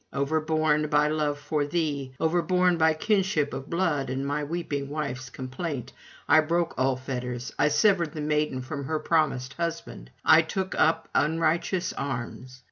Overborne by love for thee, overborne by kinship of blood and my weeping wife's complaint, I broke all fetters, I severed the maiden from her promised husband, I took up unrighteous arms.